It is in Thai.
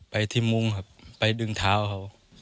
ไปที่มุ่งไปดึงเท้าเขา